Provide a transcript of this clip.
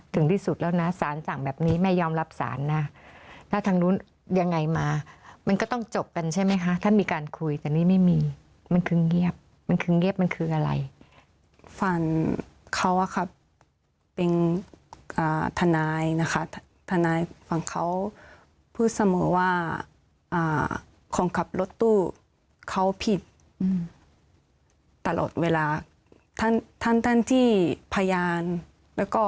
ถึงที่สุดแล้วนะสารสั่งแบบนี้แม่ยอมรับสารนะถ้าทางนู้นยังไงมามันก็ต้องจบกันใช่ไหมคะถ้ามีการคุยแต่นี่ไม่มีมันคือเงียบมันคือเงียบมันคืออะไรฝั่งเขาอะครับเป็นทนายนะคะทนายฝั่งเขาพูดเสมอว่าคนขับรถตู้เขาผิดตลอดเวลาท่านท่านที่พยานแล้วก็